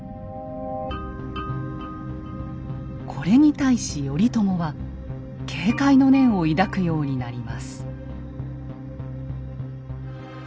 これに対し頼朝は警戒の念を抱くようになります。